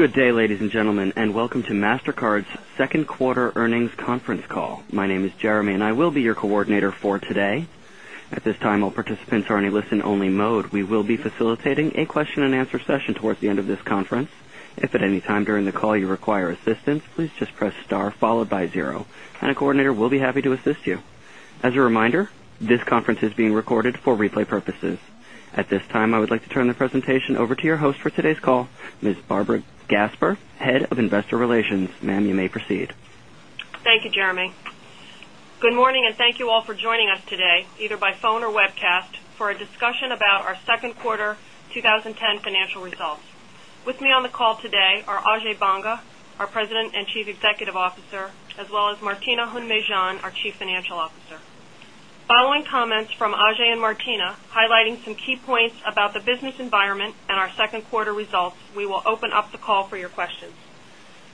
And welcome to Mastercard's Second Quarter Earnings Conference Call. My name is Jeremy, and I will be your coordinator for today. At At this time, all participants are in a listen only mode. We will be facilitating a question and answer session towards the end of this conference. As a reminder, this conference is being recorded for replay purposes. At this time, I would like to turn the presentation over to your host for today's call, Ms. Barbara Gasper, Head of Investor Relations. Ma'am, you may Thank you, Jeremy. Good morning and thank you all for joining us today either by phone or webcast for a discussion about our Q2 2010 Financial Results. With me on the call today are Ajay Banga, our President and Chief Executive Officer as well Welcome to Martina Hundmejian, our Chief Financial Officer. Following comments from Ajay and Martina, highlighting some key points about the business environment and our 2nd quarter results, we will open up the call for your questions.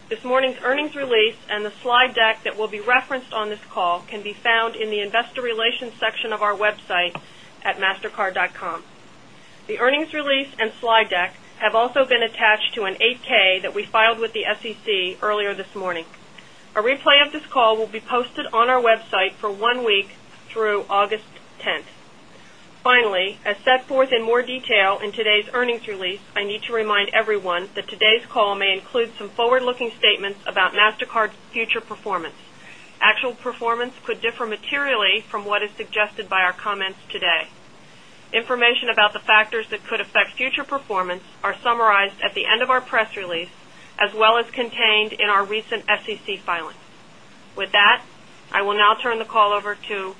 This morning's earnings release and the slide deck that will be referenced This call can be found in the Investor Relations section of our website at mastercard.com. The earnings release and slide deck have also been attached to an 8 ks that we filed with the SEC earlier this morning. A replay of this call will be posted on our website for 1 week through August 10. Finally, as set forth in more detail in today's earnings release, I need to remind everyone that today's call may include some forward looking statements about Mastercard's future performance. Actual performance could differ materially from what is suggested by our comments today. Information about the factors that could affect future performance are summarized at the end of our press release as well as contained in our recent SEC filings. With Matt, I will now turn the call over to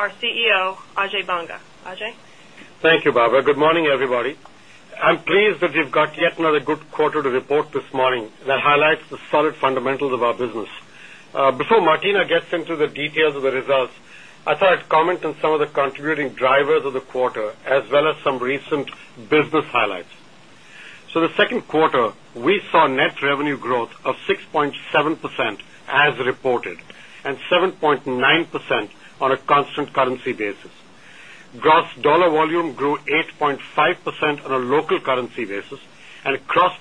our CEO, Ajay Banga. Ajay? Thank you, Baba. Good morning, everybody. I'm pleased that we've got yet Another good quarter to report this morning that highlights the solid fundamentals of our business. Before Martina gets into the details of the I thought I'd comment on some of the contributing drivers of the quarter as well as some recent business highlights. So the The second quarter, we saw net revenue growth of 6.7% as reported and 7 point 9% on a constant currency basis. Gross dollar volume grew 8.5% on a local currency basis and I've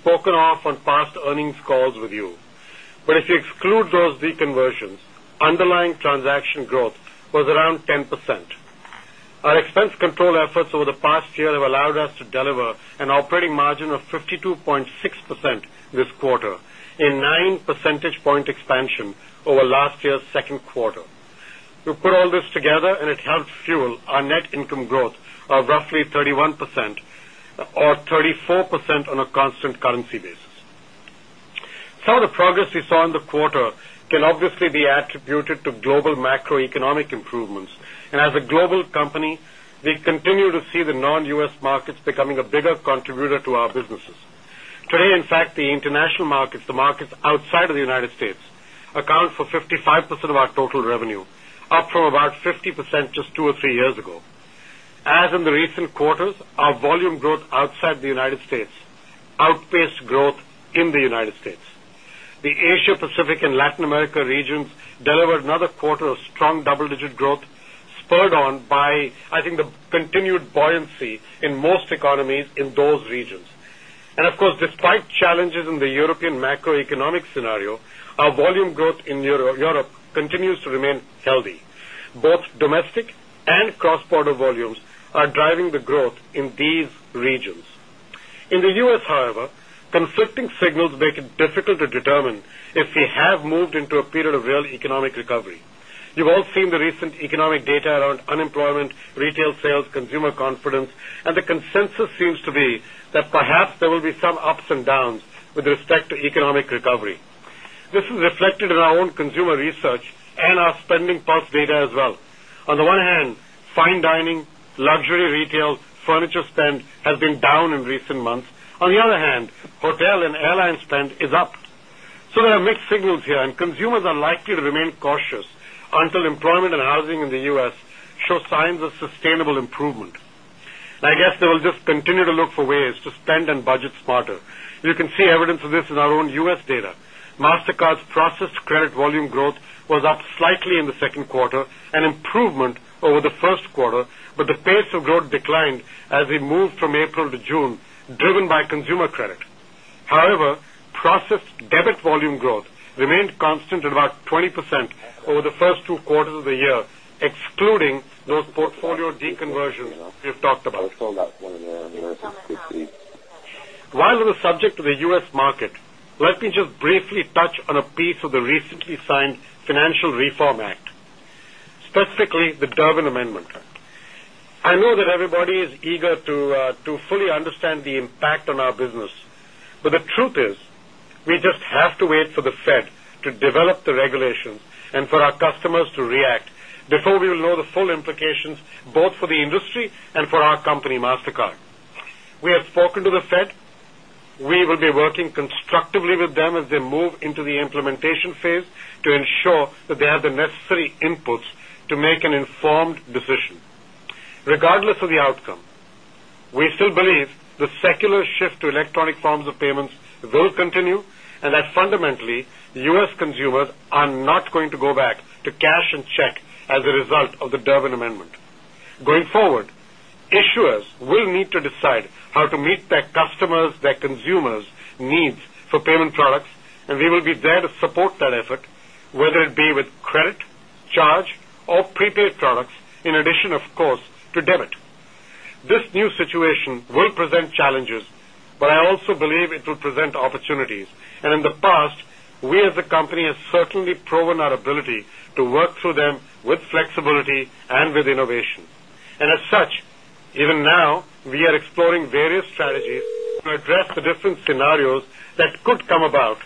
spoken off on past earnings calls with you. But if you exclude those deconversions, underlying transaction growth was around 10%. Our expense control efforts over the past year have allowed us to deliver an operating margin of 52.6 percent this quarter, a 9 percentage point expansion over last year's Q2. We put all this together and it helped fuel Our net income growth of roughly 31% or 34% on a constant currency basis. Some of the progress We saw in the quarter can obviously be attributed to global macroeconomic improvements. And as a global company, we continue to see the non U. S. Markets becoming a bigger contributor to our businesses. Today, in fact, the international markets, the markets outside of the United States account for 55% of our total revenue, up So about 50% just 2 or 3 years ago. As in the recent quarters, our volume growth outside the United States outpaced growth in the United States. The The Asia Pacific and Latin America regions delivered another quarter of strong double digit growth spurred Our volume growth in Europe continues to remain healthy. Both domestic and cross border volumes are driving the growth in these regions. In the U. S, however, conflicting signals make it difficult to determine if we have moved into a period of real economic recovery. You've all seen the recent economic data around unemployment, retail sales, consumer confidence and The consensus seems to be that perhaps there will be some ups and downs with respect to economic recovery. This is reflected in our own consumer research and our spending And airline spend is up. So there are mixed signals here and consumers are likely to remain cautious until employment and housing in the U. S. Show signs Sustainable improvement. And I guess they will just continue to look for ways to spend and budget smarter. You can see evidence of this in our own U. S. Data. Mastercard's process Credit volume growth was up slightly in the 2nd quarter, an improvement over the 1st quarter, but the pace of growth declined Constant at about 20% over the 1st 2 quarters of the year, excluding those portfolio deconversions we've While on the subject of the U. S. Market, let me just briefly touch on a piece of We recently signed Financial Reform Act, specifically the Durbin Amendment Act. I know that everybody to develop the regulations and for our customers to react before we will know the full implications both for the industry and for our company Mastercard. We have spoken to the Fed. We will be working constructively with them as they move into We still believe the secular shift to electronic forms of payments will continue and that fundamentally U. S. Consumers are not going to go How to meet their customers, their consumers needs for payment products and we will be there to support that effort whether challenges, but I also believe it will present opportunities. And in the past, we as a company has certainly proven our ability to work through them with flexibility and with innovation. And as such, even now, we We are exploring various strategies to address the different scenarios that could come about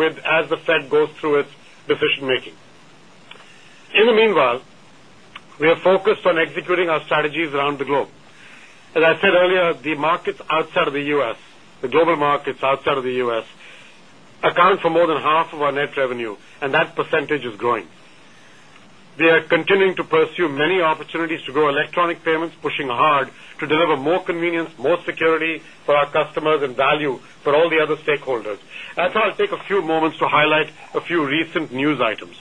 with as the Fed goes through In the meanwhile, we are focused on executing our strategies around the globe. As I said And earlier, the markets outside of the U. S, the global markets outside of the U. S. Account for more than half of our net revenue and that We have more convenience, more security for our customers and value for all the other stakeholders. I thought I'd take a few moments to highlight a few recent news items.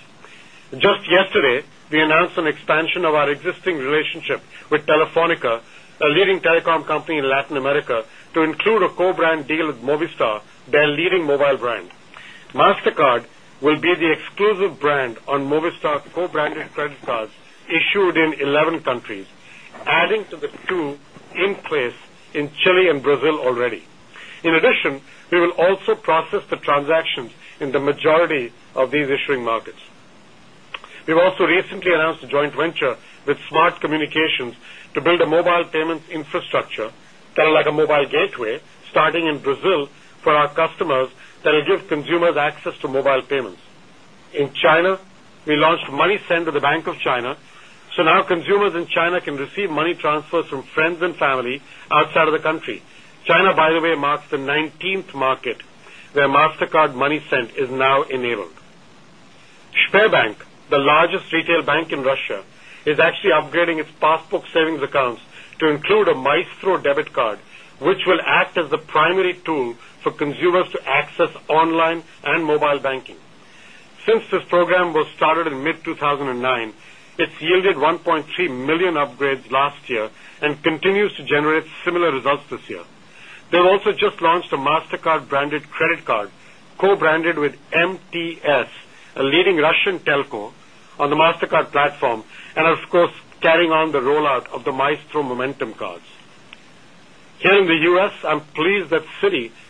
Just Today, we announced an expansion of our existing relationship with Telefonica, a leading telecom company in Latin America to include of these issuing markets. We've also recently announced a joint venture with Smart Communications to build a Mobile payments infrastructure, kind of like a mobile gateway starting in Brazil for our customers that will give consumers access to mobile payments. In China, we launched MoneySend to the Bank of China. So now consumers in China can receive money transfers from friends and family outside of the country. China, by the way, marks the 19th market where Mastercard MoneySend is now enabled. Sberbank, the largest Retail Bank in Russia is actually upgrading its passbook savings accounts to include a Maestro debit card, which will act is the primary tool for consumers to access online and mobile banking. Since this program was started in mid-two 1000 and It's yielded 1,300,000 upgrades last year and continues to generate similar results this year. They've also just Launched a Mastercard branded credit card, co branded with MTS, a leading Russian telco on the Mastercard platform and of course, carrying on the rollout of the Maestro Momentum Cards. Here in the U. S, I'm pleased that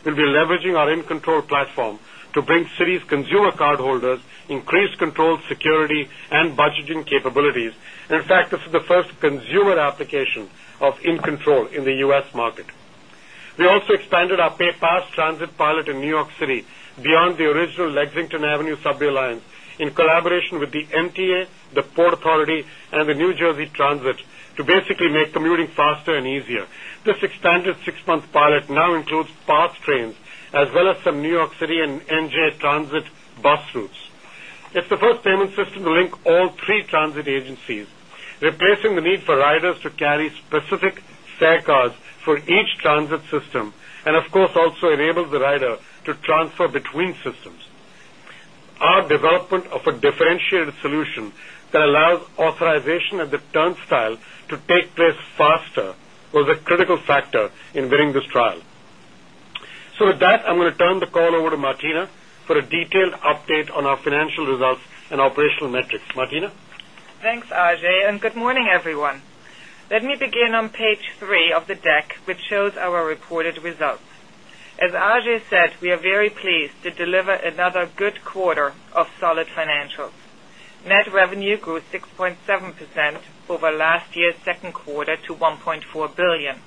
We'll be leveraging our inControl platform to bring Citi's consumer cardholders, increased control security and budgeting capabilities. And in This is the first consumer application of InControl in the U. S. Market. We also expanded our PayPass transit New York City beyond the original Lexington Avenue sub alliance in collaboration with the MTA, the Port Authority and the New Jersey Transit to basically make Commuting faster and easier. This expanded 6 month pilot now includes parts trains as well as some New York City and NJ Transit bus routes. It's the 1st payment system to link all three transit agencies, replacing the need for riders to carry Specific fare cars for each transit system and of course also enables the rider to transfer between systems. Our development of a differentiated solution that allows authorization of the turnstile to take place faster was a critical factor in winning this trial. So with that, I'm going to turn the call over to Martina for a detailed update on our financial results and operational metrics. Martina? Thanks, Ajay, and good morning, everyone. Let me Begin on page 3 of the deck, which shows our reported results. As Ajay said, we are very pleased to deliver another good quarter of solid Financials. Net revenue grew 6.7 percent over last year's Q2 to 1,400,000,000.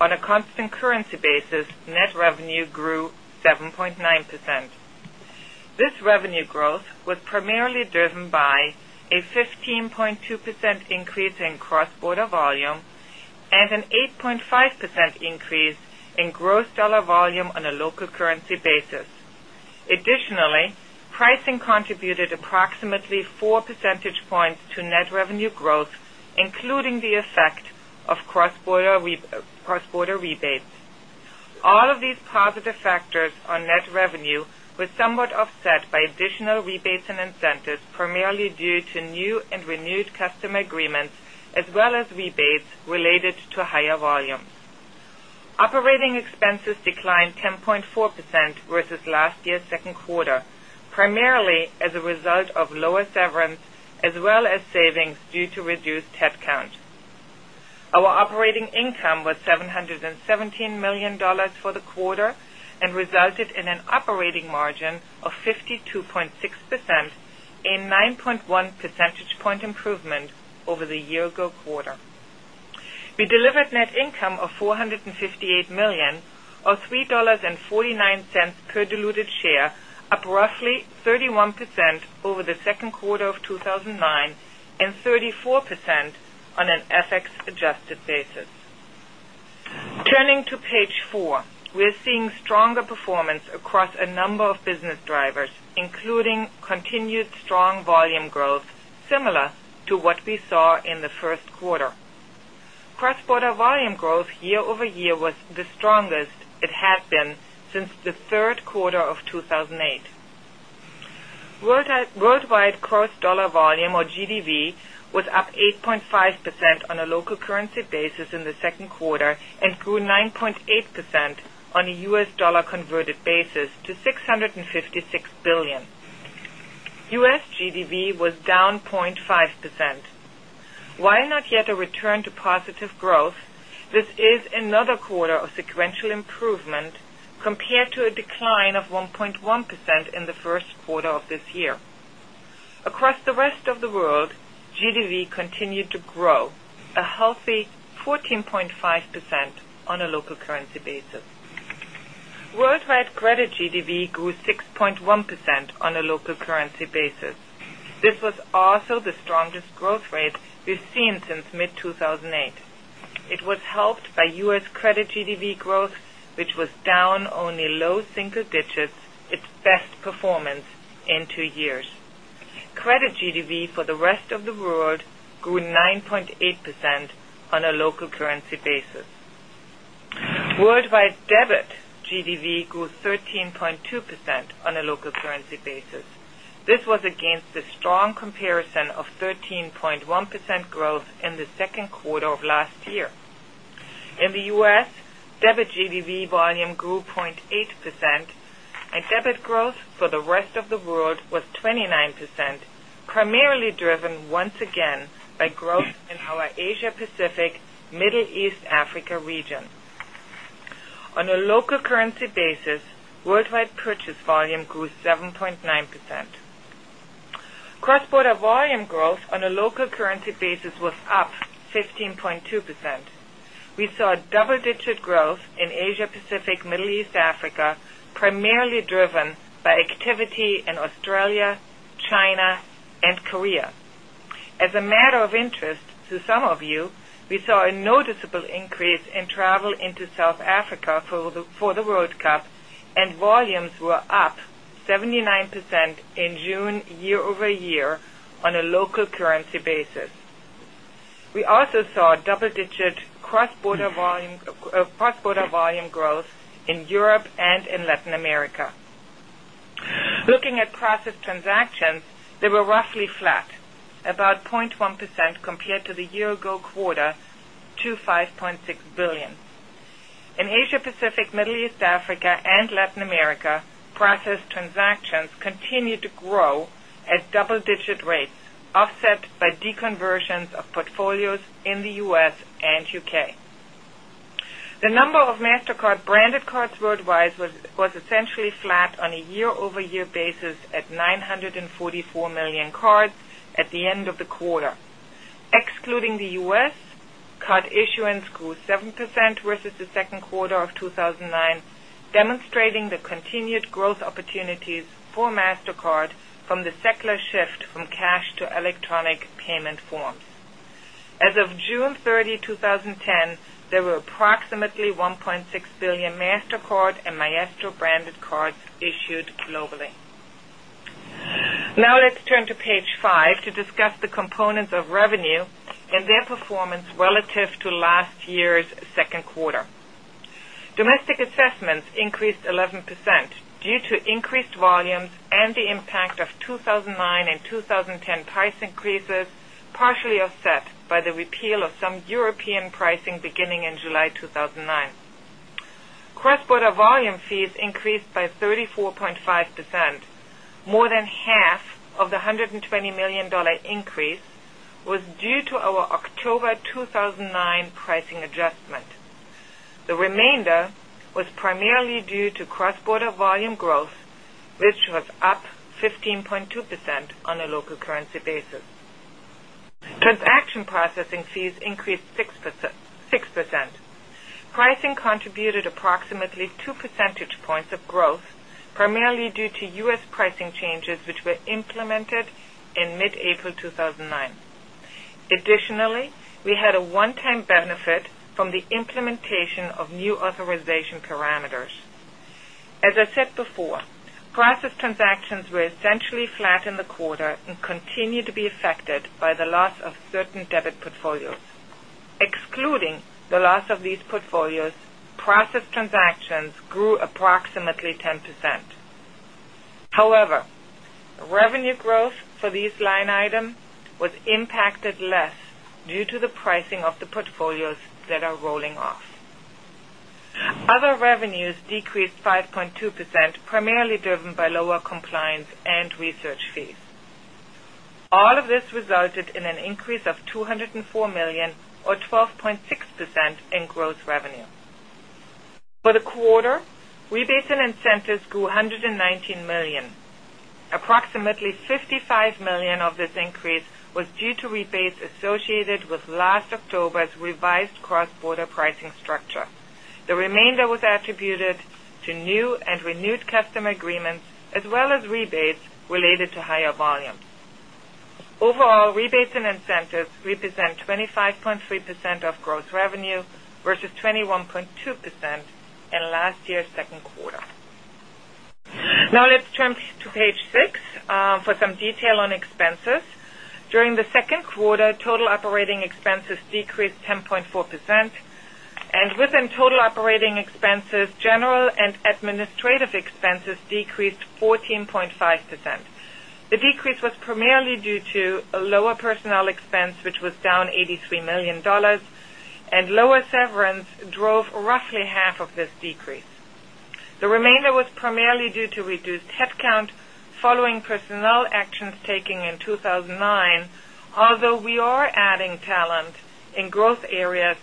On a constant currency basis, net revenue grew 7.9%. This revenue growth was primarily driven by a 15 basis. Additionally, pricing contributed approximately 4 percentage points to net revenue growth, including the effect Of cross border rebates, all of these positive factors on net revenue was somewhat offset by additional rebates Incentives primarily due to new and renewed customer agreements as well as rebates related to higher volumes. Operating Sensus declined 10.4% versus last year's Q2, primarily as a result of lower severance as well as savings due to reduced headcount. Our operating income was 717 for the quarter and resulted in an operating margin of 52.6 percent, a 9 point 1 percentage point improvement over the year ago quarter. We delivered net income of 4.58 $3.49 per diluted share, up roughly 31% over the Q2 of and 34% on an FX adjusted basis. Turning to Page 4, we are seeing stronger performance across a number of Cross border volume growth year over year was the strongest it had been since the Q3 of Worldwide gross dollar volume or GDV was up 8.5% on a local currency basis In the 2nd quarter and grew 9.8 percent on a U. S. Dollar converted basis to RMB656 1,000,000,000. U. S. GDV was down 0.5%. While not yet a return to positive growth, this is another quarter of sequential improvement compared to a decline of 1.1% in the Q1 of this year. Across the rest of the world, GDV continued to grow Credit GDV grew 6.1% on a local currency basis. This was also the strongest growth rate 0.2% on a local currency basis. This was against the strong comparison of 13.1% growth in the Q2 of last year. In the U. S, debit GBV volume grew 0.8% and debit growth for The rest of the world was 29%, primarily driven once again by growth in our Asia Pacific, Middle East Africa region. On a local currency basis, worldwide purchase volume grew 7.9%. Cross border volume growth on a local currency basis was up 15.2%. We saw double digit growth in Asia Pacific, Middle East, Africa, primarily driven by activity in Australia, China Africa for the World Cup and volumes were up 79% in June year year on a local currency basis. We also saw double digit 0.1% compared to the year ago quarter to €5,600,000,000 In Asia Pacific, Middle East, Africa and Latin America, process These transactions continue to grow at double digit rates offset by deconversions of portfolios On a year over year basis at 944,000,000 cards at the end of the quarter. Excluding The U. S. Card issuance grew 7% versus the Q2 of 2019, demonstrating the continued growth opportunities for Mastercard from the secular shift from cash to electronic payment forms. As of June 30, 20 Domestic assessments increased 11% due to increased volumes and the impact of 2,009 and 2010 price increases, partially 4.5%. More than half of the $120,000,000 increase was due to our October 2009 pricing adjustment. The remainder was primarily due to cross Quarter volume growth, which was up 15.2% on a local currency basis. Production processing fees increased 6%. Pricing contributed approximately 2 percentage a one time benefit from the implementation of new authorization parameters. As I said before, process transactions were Essentially flat in the quarter and continue to be affected by the loss of certain debit portfolios. Excluding the loss Plus of these portfolios, process transactions grew approximately 10%. However, revenue growth for This line item was impacted less due to the pricing of the portfolios that are rolling off. Other revenues decreased 5.2%, primarily driven by lower compliance and research fees. All of this resulted in an increase of $204,000,000 or 12.6 percent in gross revenue. For the quarter, rebates States and incentives grew €119,000,000 Approximately €55,000,000 of this increase was due to rebates associated with last October's revised cross border pricing structure. The remainder was attributed to new and renewed customer agreements as well The next question comes from the line of John. Good day, ladies and gentlemen. This is the rebates related to higher volume. Overall, rebates and incentives represent 25.3 percent of gross revenue versus 21 2% in last year's Q2. Now let's turn to Page 6 for some detail on expenses. During the 2nd quarter total operating expenses decreased 10.4 percent and within total operating expenses, general and Administrative expenses decreased 14.5%. The decrease was primarily due to a lower personnel expense, which was down 83,000,000 And lower severance drove roughly half of this decrease. The remainder was primarily due to reduced Headcount, following personnel actions taken in 2,009, although we are adding talent in growth We're roughly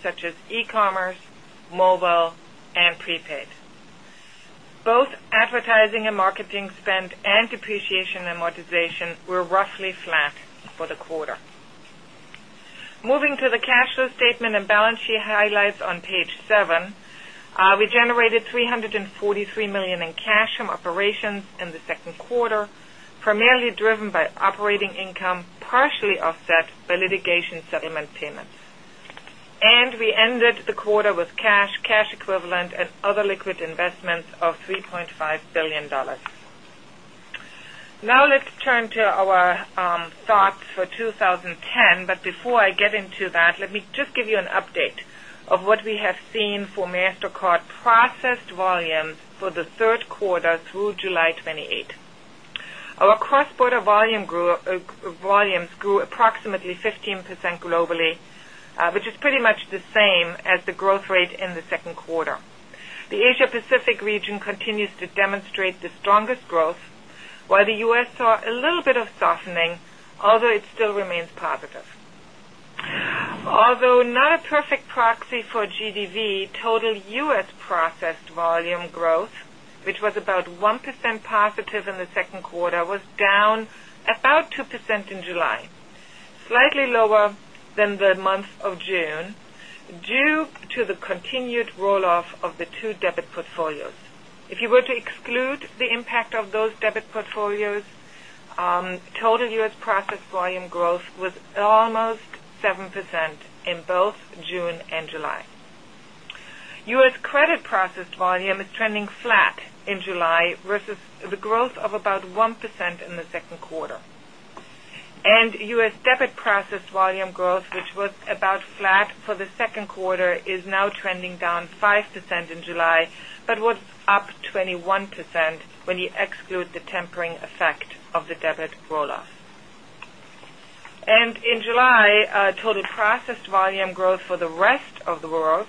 flat for the quarter. Moving to the cash flow statement and balance sheet highlights on Page 7. Income partially offset by litigation settlement payments. And we ended the quarter with cash, cash And other liquid investments of $3,500,000,000 Now let's turn to our thoughts for But before I get into that, let me just give you an update of what we have seen for Mastercard processed volumes for the Q3 through July Our cross border volumes grew approximately 15% globally, which is Pretty much the same as the growth rate in the Q2. The Asia Pacific region continues to demonstrate the strongest growth, while the The U. S. Saw a little bit of softening, although it still remains positive. Although not a perfect proxy for GDV, total The U. S. Processed volume growth, which was about 1% positive in the second quarter was down about 2% In July, slightly lower than the month of June due to the continued roll off of the 2 debit portfolios. If you If you were to exclude the impact of those debit portfolios, total U. S. Process volume growth was almost 7% in 1% in the second quarter. And U. S. Debit process volume growth, which was about flat for the second quarter is now trending down 5% in July, but was up 21% when you exclude the tempering effect of the And in July, total processed volume growth for the rest of the world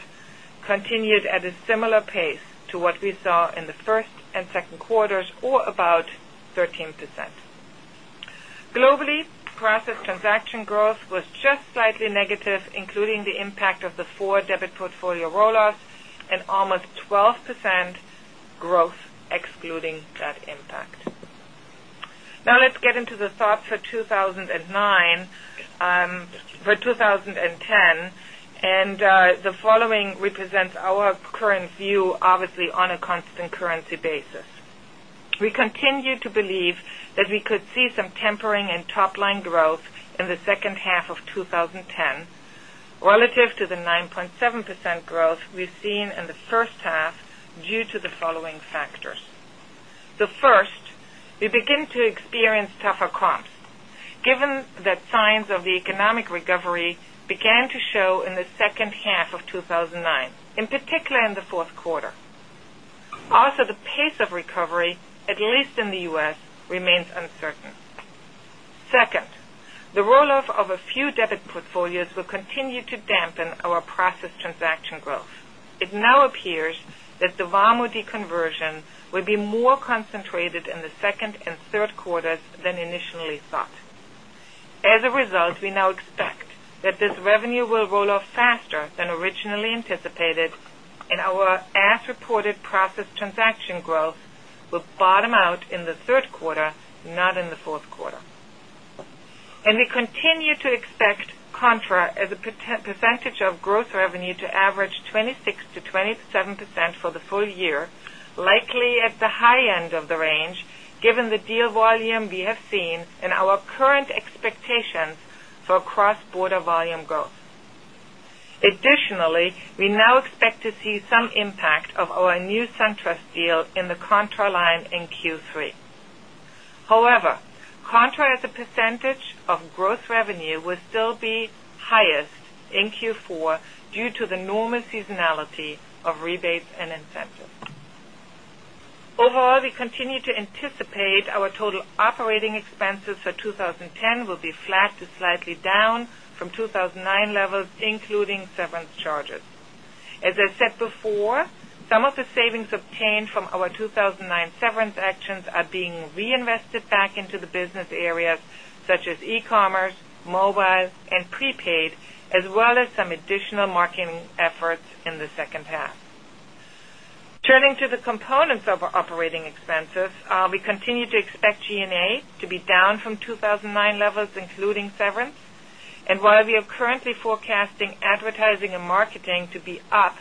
continued at a similar pace to what we saw in the 1st and second quarters or about 13%. Globally, process transaction growth was just slightly negative, including the impact of the 4 debit portfolio rollouts and almost 12 1% growth excluding that impact. Now let's get into the thoughts for 2,000 and For 20 10, and the following represents our current view obviously on a constant And half of twenty ten relative to the 9.7% growth we've seen in the first half due to the following factors. The first, we begin to experience tougher comps. Given that signs of the economic recovery The in the U. S. Remains uncertain. 2nd, the roll off of a few debit portfolios will continue to We'll roll off faster than originally anticipated and our as reported process transaction growth will bottom out in the Q3, not in the Q4. And we continue to expect contra as a percentage of gross revenue to average 26% to 27% for the full year, likely at the high end of the range given the deal volume we have seen and our current of our new SunTrust deal in the Contour line in Q3. However, Contour as a percentage Our gross revenue will still be highest in Q4 due to the normal seasonality of rebates and Overall, we continue to anticipate our total operating expenses for 20.10 will be flat to Savings obtained from our 2,009 severance actions are being reinvested back into the business areas such as e commerce, mobile and prepaid, Continue to expect G and A to be down from 2,009 levels including severance. And while we are currently forecasting advertising and marketing to be up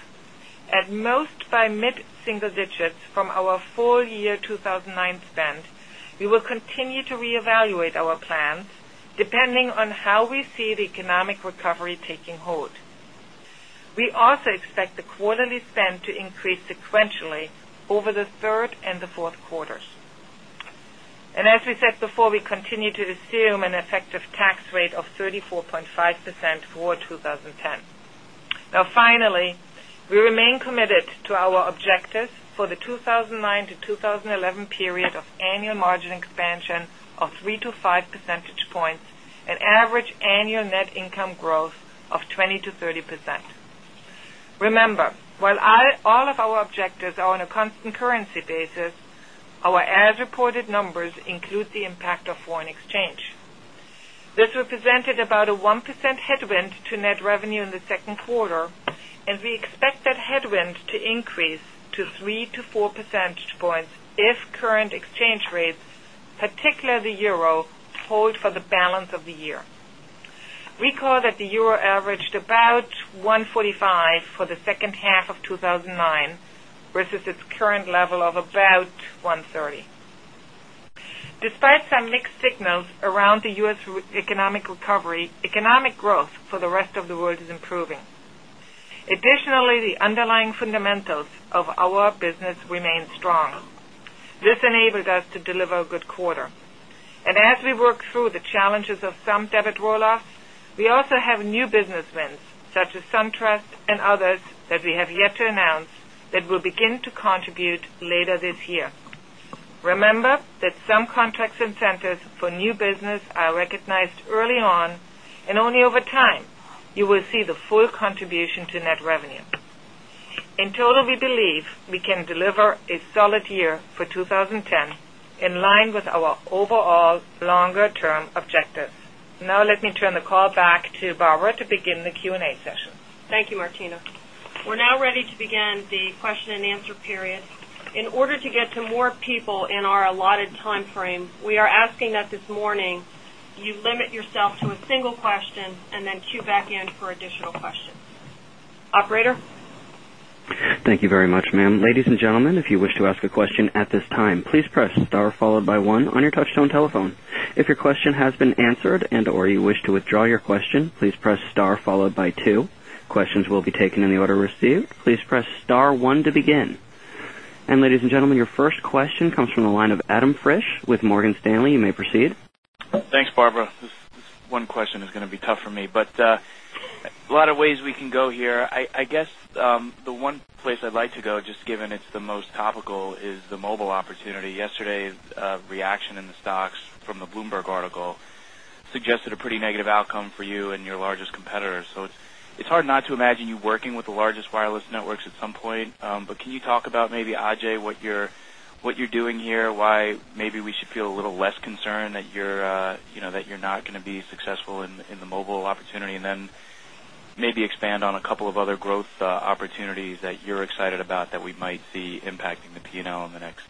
Before we continue to assume an effective tax rate of 34.5 percent for 20 10. Now finally, we remain committed to our objectives For the 2,009 to 2011 period of annual margin expansion of 3 to 5 percentage points and average Annual net income growth of 20% to 30%. Remember, while all of our objectives are on a constant We had a 1% headwind to net revenue in the 2nd quarter and we expect that headwind to increase to 3 to 4 percentage If current exchange rates, particularly euro hold for the balance of the year. Recall that the euro averaged about 1.4 Around the U. S. Economic recovery, economic growth for the rest of the world is improving. Additionally, the underlying fundamentals of our business remains strong. This enables us to deliver a good quarter. And as we work through the challenges of some debit roll offs, we also We have new business wins such as SunTrust and others that we have yet to announce that will begin to contribute later this year. Remember that some contracts and centers for new business are recognized early on and only over time you will see the full Full contribution to net revenue. In total, we believe we can deliver a solid year for 20.10 in line with our overall longer And the question and answer period. In order to get to more people in our allotted time frame, we are asking that this morning you limit yourself to Single question and then queue back in for additional questions. Operator? Thank you very much, ma'am. And ladies and gentlemen, your first question comes from the line of Adam Friesch with Morgan Stanley. You may proceed. Thanks Barbara. This one question is going to be tough for me. But a lot of ways we can go here. I guess, the one Place I'd like to go just given it's the most topical is the mobile opportunity. Yesterday's reaction in the stocks from the Bloomberg article Suggested a pretty negative outcome for you and your largest competitor. So it's hard not to imagine you working with the largest wireless networks at some point. But can you talk about maybe, Ajay, what you're doing here? Why maybe we should feel a little less concerned that you're Not going to be successful in the mobile opportunity. And then maybe expand on a couple of other growth opportunities that you're excited about that we might see impacting the P and L in the next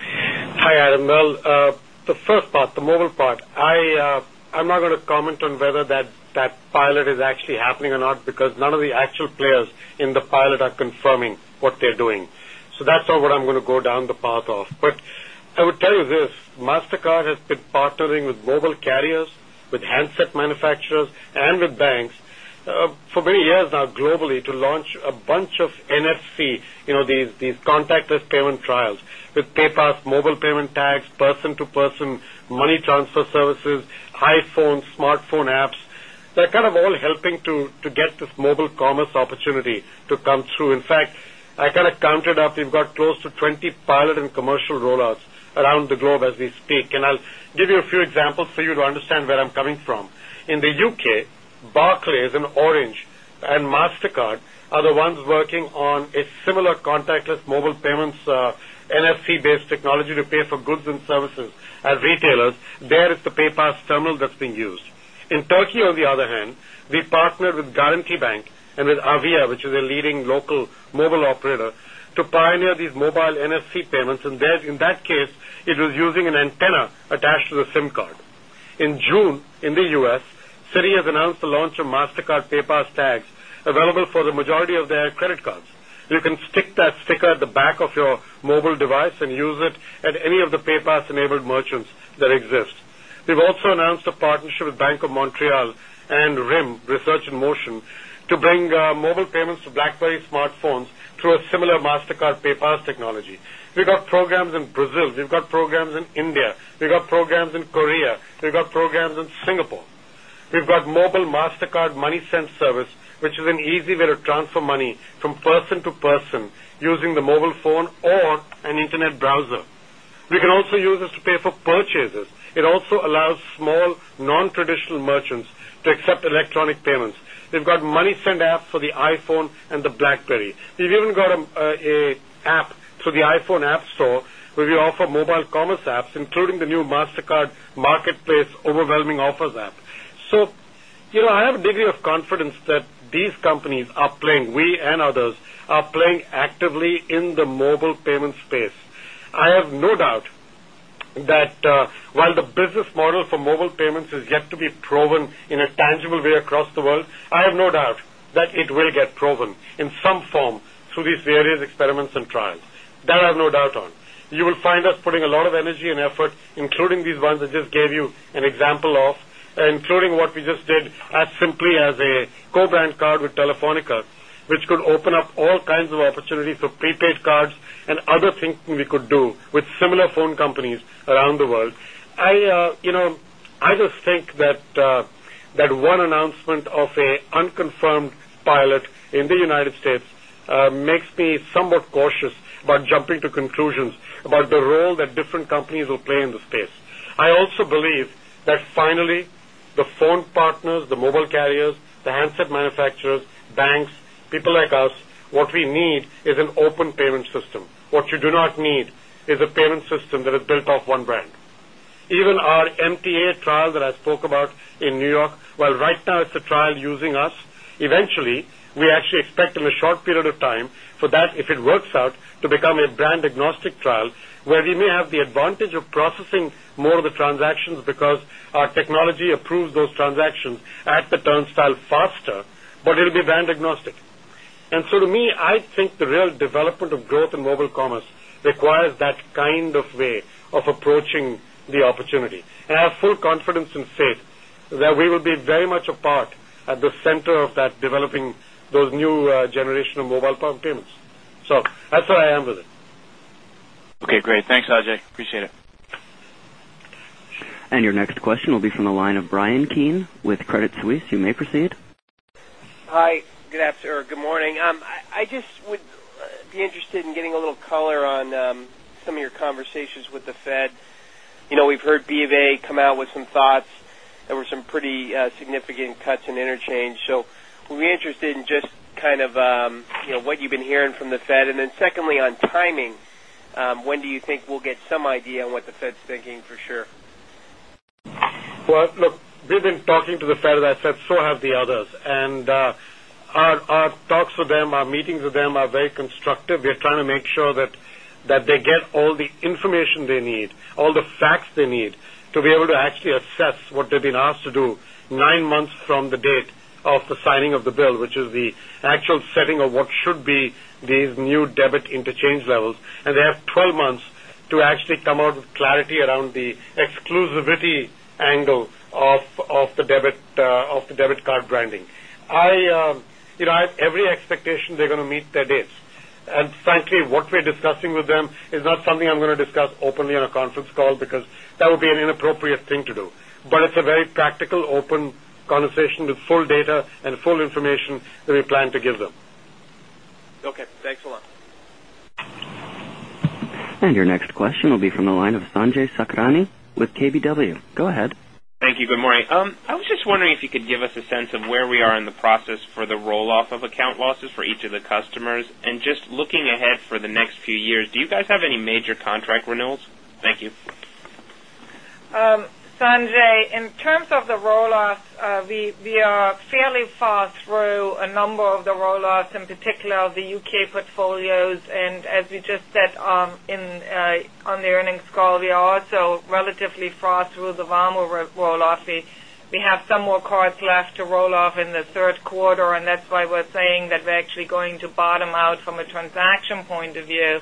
Hi, Adam. Well, the first part, the mobile part, I'm not going to comment on whether that That pilot is actually happening or not because none of the actual players in the pilot are confirming what they're doing. So that's not what I want to go down the path off, but I would tell you this, Mastercard has been partnering with mobile carriers, with handset manufacturers And with banks, for many years now globally to launch a bunch of NFC, these contactless payment trials with to get this mobile commerce opportunity to come through. In fact, I kind of counted up, we've got close to 20 pilot and commercial roll around the globe as we speak and I'll give you a few examples for you to understand where I'm coming from. In the UK, Barclays goods and services at retailers, there is the PayPass terminal that's been used. In Turkey, on the other hand, we partnered with Guaranty Bank and with Avia, which is a leading local mobile operator to pioneer these mobile NFC payments and there in that case, it was using an antenna attached to the In June, in the U. S, Citi has announced the launch of Mastercard PayPal's tags available for the majority of their credit cards. You can stick that Let's stick at the back of your mobile device and use it at any of the PayPass enabled merchants that exist. We've also announced a partnership with Bank of Montreal and RIM Research and Motion to bring mobile payments to BlackBerry smartphones through a similar Mastercard We've got programs in Brazil, we've got programs in India, we've got programs in Korea, we've got programs in Singapore, we've got mobile Mastercard Money Sense service, which is an easy way to transfer money from person to person using the mobile phone or an Internet browser. We can also use this to pay for purchases, it also allows small non traditional merchants to accept electronic payments. They've got MoneySend app for the iPhone and the BlackBerry. We've even So I have a degree of confidence that these companies are playing, we and others are playing actively in The mobile payment space, I have no doubt that while the business model for mobile payments is have to be proven in a tangible way across the world. I have no doubt that it will get proven in some form through these various experiments and trials. That I have no doubt on. You will find us putting a lot of energy and effort, including these ones I just gave you an example of, including what we just did As simply as a co brand card with Telefonica, which could open up all kinds of opportunities for prepaid cards and other Nothing we could do with similar phone companies around the world. I just think that one announcement Different companies will play in the space. I also believe that finally the phone partners, the mobile carriers, the handset manufacturers, banks, People like us, what we need is an open payment system. What you do not need is a payment system that is built off one brand. Even our MTA trial As I spoke about in New York, well, right now it's a trial using us. Eventually, we actually expect in a short period of time for If it works out to become a brand agnostic trial, where we may have the advantage of processing more of the transactions because our technology approves those transactions at It turns out faster, but it will be brand agnostic. And so to me, I think the real development of growth in mobile commerce requires that kind Center of that developing those new generation of mobile phone payments. So that's where I am with it. Okay, great. Thanks, Ajay. Appreciate it. And your next question will be from the line of Bryan Keane with Credit Suisse. You may proceed. Hi, good afternoon or good morning. I just Would be interested in getting a little color on some of your conversations with the Fed. We've heard BofA come out with some thoughts. There were some pretty Significant cuts and interchange. So we'll be interested in just kind of what you've been hearing from the Fed? And then secondly, on timing, When do you think we'll get some idea on what the Fed is thinking for sure? Well, look, we've been talking to the Fed as I said, so have the others. And Our talks with them, our meetings with them are very constructive. We are trying to make sure that they get all the information they need, all the facts they need to be able to actually assess what they've been asked to do 9 months from the date of the signing of the bill, which is the actual setting of what should be these new debit interchange levels and they have 12 months to actually come out with clarity around the exclusivity angle Of the debit card branding. I have every expectation they're going to meet their dates. And Actually, what we're discussing with them is not something I'm going to discuss openly on a conference call because that will be an inappropriate thing to do. But it's A very practical open conversation with full data and full information that we plan to give them. Okay. Thanks a lot. And your next question will be from the line of Sanjay Sakhrani with KBW. Go ahead. Thank you. Good morning. I was just wondering if you could give us a sense of where we are in the process The roll off of account losses for each of the customers and just looking ahead for the next few years, do you guys have any major contract renewals? Sanjay, in terms of the roll offs, we are fairly far through a number of the roll offs, in Particularly of the U. K. Portfolios and as we just said on the earnings call, we are also relatively far through the VAMO roll off. We We have some more cards left to roll off in the Q3 and that's why we're saying that we're actually going to bottom out from a transaction point of view.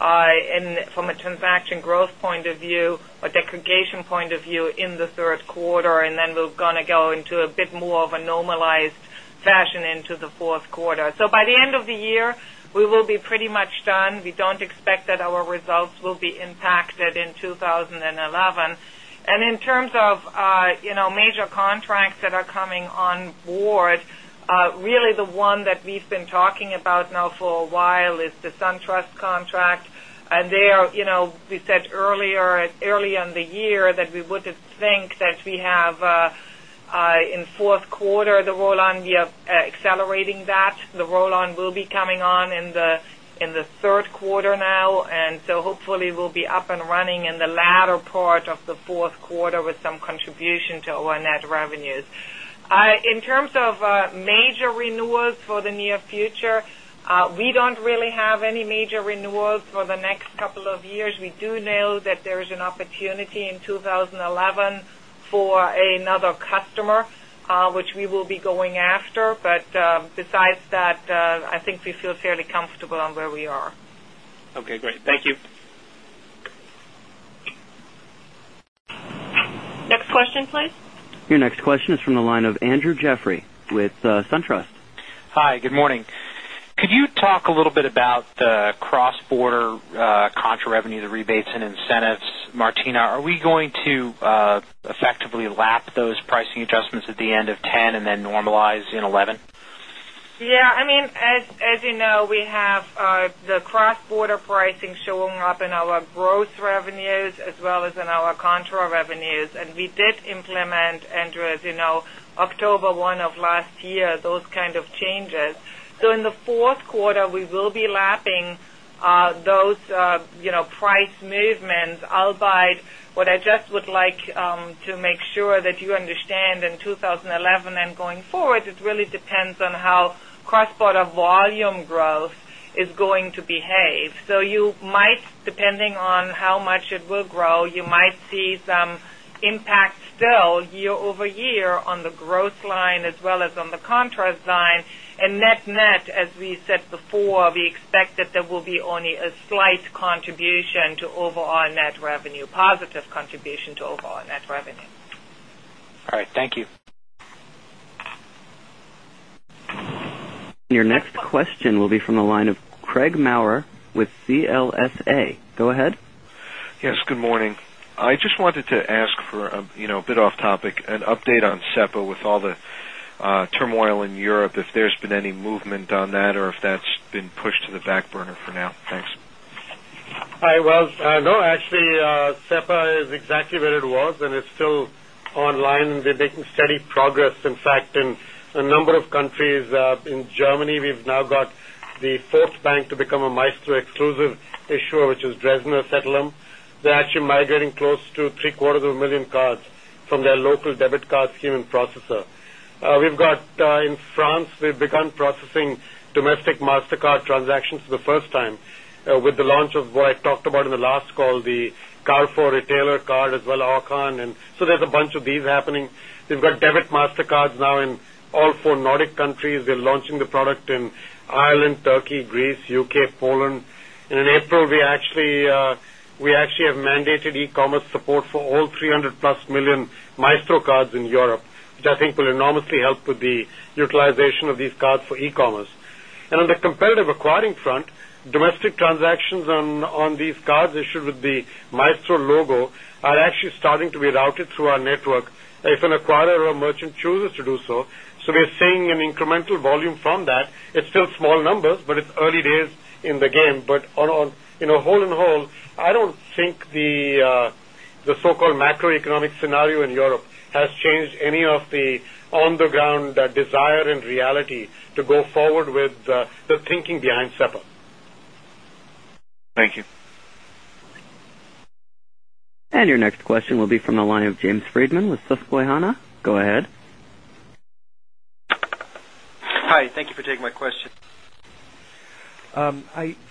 And from a transaction growth point of view, a degradation point of view in the Q3 and then we're going to go into a bit more of fashion into the Q4. So by the end of the year, we will be pretty much done. We don't expect that our results will We impacted in 2011. And in terms of major contracts that are coming on Really the one that we've been talking about now for a while is the SunTrust contract. And there, we said earlier early in the year that we would think that we have in 4th quarter the roll on, we are Accelerating that, the roll on will be coming on in the Q3 now. And so hopefully, we'll be up and running in the latter part of the Q4 with Some contribution to our net revenues. In terms of major renewals for the near future, We don't really have any major renewals for the next couple of years. We do know that there is an opportunity in 2011 Very comfortable on where we are. Okay, great. Thank you. Question, please. Your next question is from the line of Andrew Jeffrey with SunTrust. Hi, good morning. Could you talk a little bit about Cross border contra revenue, the rebates and incentives, Martina, are we going to effectively Lap those pricing adjustments at the end of 'ten and then normalize in 'eleven? Yes. I mean, as you know, we have the The cross border pricing showing up in our gross revenues as well as in our Contour revenues and we did implement, Andrew, as you know, October 1 of last year, those kind of changes. So in the Q4, we will be lapping those price Good day, ladies and gentlemen. Albeit, what I just would like to make sure that you understand in 2011 and going forward, it really depends on how cross border volume growth is going to behave. So you might depending on On how much it will grow, you might see some impact still year over year on the growth line as well as on the contrast And net net, as we said before, we expect that there will be only a slight contribution to overall net revenue, positive Your next question will be from the line of Craig Maurer with CLSA. Go ahead. Yes, good morning. I just wanted to ask for a bit off topic, an update on CEPO With all the turmoil in Europe, if there's been any movement on that or if that's been pushed to the back burner for now? Thanks. No, actually, SEPA is exactly where it was and it's still online and they're making steady progress. In fact, in a number of countries, in In Germany, we've now got the 4th bank to become a Maestro exclusive issuer, which is Dresner settlement. They're actually migrating close to 3 quarters of 1,000,000 cards from their local debit card human processor. We've got in France, we've begun processing domestic Take Mastercard transactions for the first time with the launch of what I talked about in the last call, the Carrefour retailer card as well So there's a bunch of these happening. We've got debit Mastercards now in all 4 Nordic countries. We're launching the product in Ireland, Turkey, Greece, UK, Poland, and in April, we actually have mandated e commerce support for all 300 1,000,000 Maestro cards in Europe, which I think will enormously help with the utilization of these cards for e commerce. And on the competitive acquiring front, domestic transactions on these cards issued with the Maestro logo are actually starting to be routed through our network. If an acquirer or a merchant chooses to do so, so we're Seeing an incremental volume from that, it's still small numbers, but it's early days in the game. But on hole in hole, I don't think The so called macroeconomic scenario in Europe has changed any of the on the ground desire and reality to go forward with the Thinking behind several. Thank you. And your next question will be from the line of James Friedman with Susquehanna.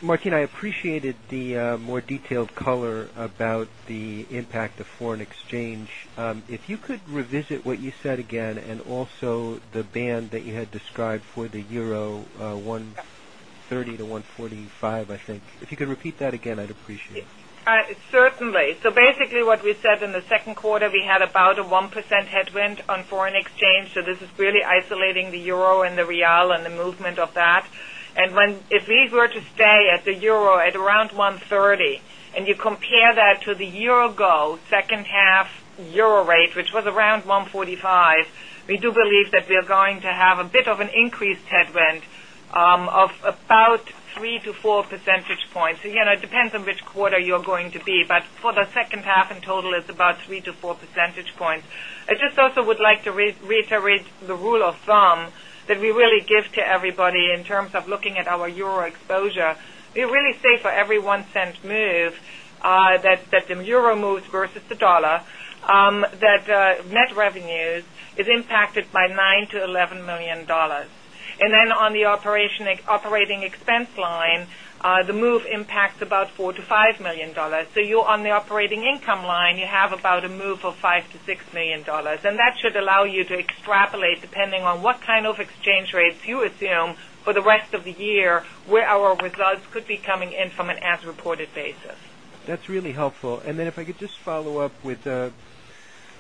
Martin, I appreciated the more detailed color about the impact of foreign exchange. If you could revisit what you said again and also the ban And that you had described for the €1.30 to €1.45 I think. If you could repeat that again, I'd appreciate it. Certainly. So basically what we In the Q2, we had about a 1% headwind on foreign exchange. So this is really isolating the euro and the real and the movement of that. And If we were to stay at the euro at around 1.30 and you compare that to the year ago second half euro For rate, which was around 145, we do believe that we are going to have a bit of an increased headwind of about 3 to 4 percentage points. It depends on which quarter you're going to be, but for the second half in total is about 3 to 4 percentage points. I just also would like to reiterate The rule of thumb that we really give to everybody in terms of looking at our euro exposure, we really say for every 0.01 move that The euro moves versus the dollar, that net revenues is impacted by $9,000,000 to $11,000,000 And then On the operating expense line, the move impacts about $4,000,000 to $5,000,000 So you're on the operating income line, you have About a move of $5,000,000 to $6,000,000 and that should allow you to extrapolate depending on what kind of exchange rates you assume for the rest of the year where our Results could be coming in from an as reported basis. That's really helpful. And then if I could just follow-up with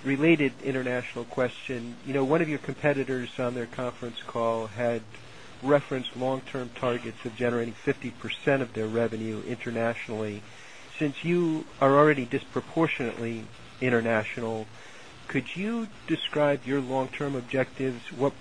a related international question. 1 1 of your competitors on their conference call had referenced long term targets of generating 50% of their revenue internationally. Since you are already disproportionately international, could you describe your long term objectives? What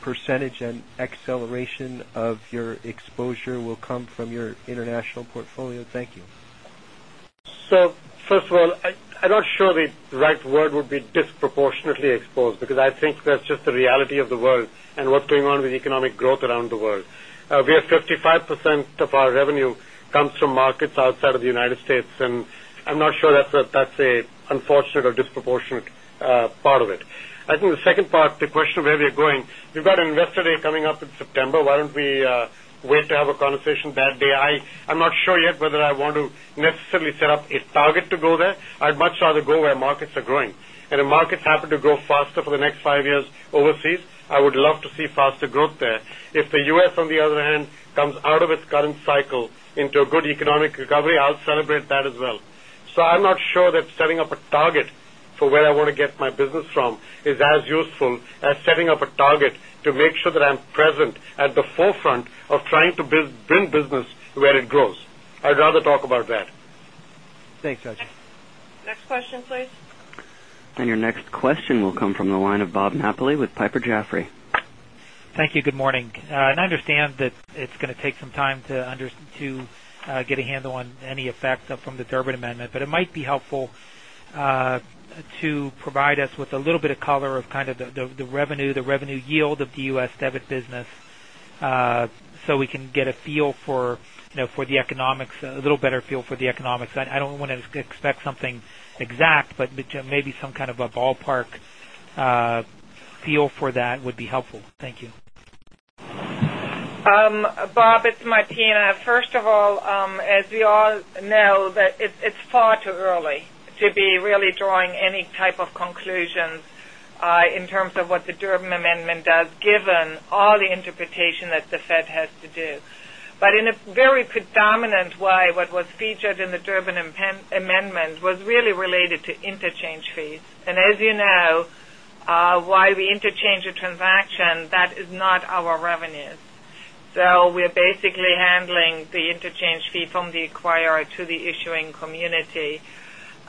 percentage and acceleration So first of all, I'm not sure the right word would be disproportionately exposed because I think that's just I'm extremely exposed because I think that's just the reality of the world and what's going on with economic growth around the world. We have 55% of our revenue comes from markets outside of the United States and I'm not sure that's a unfortunate or disproportionate part of it. I think the second part, the I think part of the question where we're going, we've got Investor Day coming up in September, why don't we wait to have a conversation that day. I'm not sure yet whether I I want to necessarily set up a target to go there. I'd much rather go where markets are growing. And if markets happen to grow faster for the next 5 years overseas, I would love to see faster growth there. If the U. S. On the other hand comes out of its current cycle into a good economic Savi, I'll celebrate that as well. So I'm not sure that setting up a target for where I want to get my business from is as useful as setting up a target Question, please. And your next question will come from the line of Bob Napoli with Piper Jaffray. Thank you. Good morning. And I understand that It's going to take some time to get a handle on any effect from the Durbin Amendment. But it might be helpful to provide us with a A little bit of color of kind of the revenue, the revenue yield of the U. S. Debit business, so we can get a feel For the economics, a little better feel for the economics. I don't want to expect something exact, but maybe some kind of a ballpark feel Bob, it's Martina. First of all, as we all know No, it's far too early to be really drawing any type of conclusions in terms of what the Durbin Amendment does given all the interpretation that the Fed has to do. But in a very predominant way, what was featured in the Durbin Amendment was really related to interchange fees. And as you know, while we interchange the transaction, that is not our revenues. So we are basically handling the interchange fee from the acquirer to the issuing community.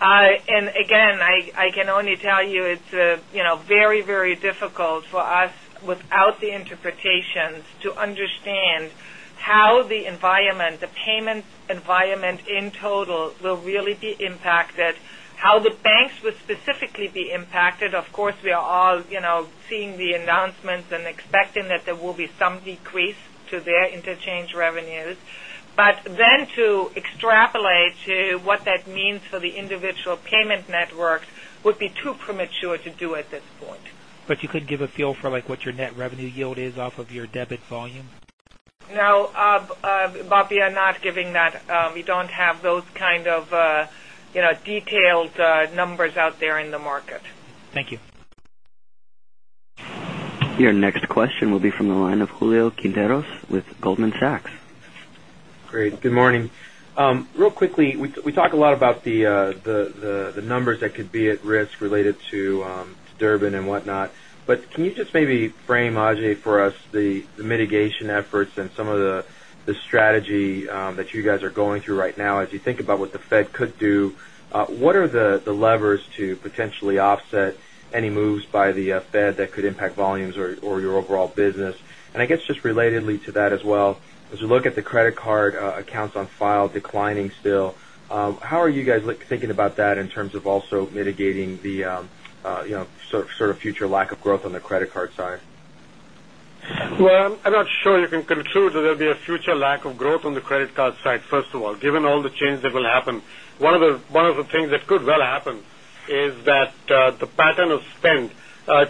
And again, I can only tell you it's very, very Very difficult for us without the interpretations to understand how the environment, the payments environment in total We'll really be impacted. How the banks will specifically be impacted? Of course, we are all seeing the announcements and Expecting that there will be some decrease to their interchange revenues, but then to extrapolate to What that means for the individual payment network would be too premature to do at this point. But you could give a feel for like what your net revenue yield is off of your debit volume? No, Bob, we are not giving that. We don't have those kind of detailed numbers out there in the market. Your next question will be from the line of Julio Quinteros with Goldman Sachs. Great. Good morning. Real quickly, we talk a lot about the numbers that could be at risk related to Durbin and whatnot. But Can you just maybe frame, Ajay, for us the mitigation efforts and some of the strategy that you guys are going through right now? As As you think about what the Fed could do, what are the levers to potentially offset any moves by the Fed that could impact volumes or your overall business. And I guess just relatedly to that as well, as we look at the credit card accounts on file declining still, How are you guys thinking about that in terms of also mitigating the sort of future lack of growth on the credit card side? Well, I'm not sure you can conclude that there'll be a future lack of growth on the credit card side, first of all, given all the change that will happen. One of the things that could well happen is that the pattern of spend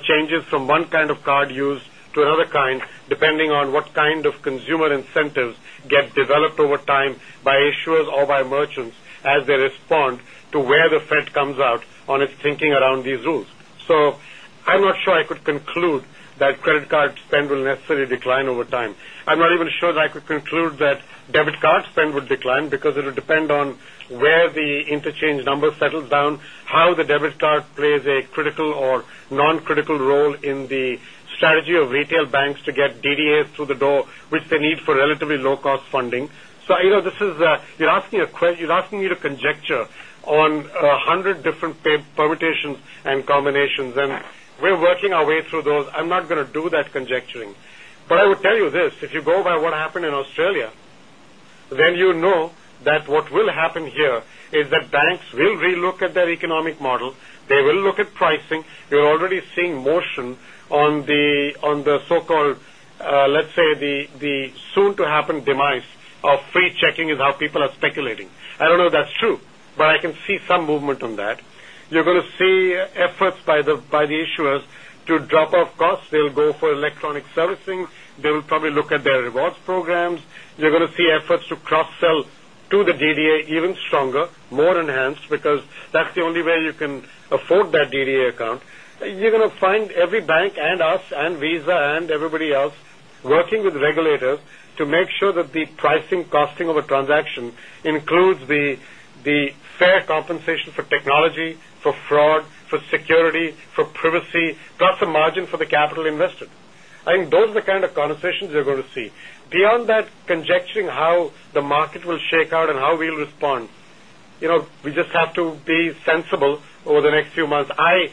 changes from one kind of card used to another kind depending on what kind of Consumer incentives get developed over time by issuers or by merchants as they respond to where the Fed comes out on its thinking So I'm not sure I could conclude that credit card spend will necessarily decline over time. I'm not even sure that I could conclude that debit card spend would decline because it will Debit card spend would decline because it will depend on where the interchange number settles down, how the debit card plays a critical or non role in the strategy of retail banks to get DDAs through the door, which they need for relatively low cost funding. So this is you're asking me to conjecture on 100 different permutations and combinations and we're working our way through those. I'm not Do that conjecture. But I would tell you this, if you go by what happened in Australia, then you know that what will happen here is that banks We'll relook at their economic model. They will look at pricing. We're already seeing motion on the so called, let's say, The soon to happen demise of free checking is how people are speculating. I don't know that's true, but I can see some movement on that. You're going to see efforts by the issuers to drop off costs, they'll go for electronic servicing, they'll probably look at their rewards programs, they're going to see efforts to cross sell to the DDA even stronger, more enhanced because that's the only way you can afford that DDA account. You're going to find every It includes the fair compensation for technology, for fraud, for security, for privacy, plus The margin for the capital invested, I think those are the kind of conversations you're going to see. Beyond that, conjecturing how the market will shake out and how we'll respond, We just have to be sensible over the next few months. I